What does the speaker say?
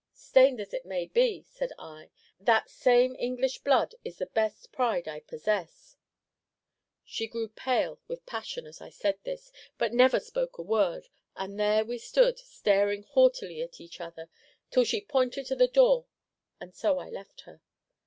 "'Stained as it may be,' said I, 'that same English blood is the best pride I possess.' She grew pale with passion as I said this, but never spoke a word; and there we stood, staring haughtily at each other, till she pointed to the door, and so I left her.